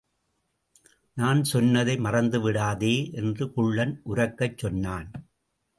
நான் சொன்னதை மறந்துவிடாதே என்று குள்ளன் உரக்கச் சொன்னான்.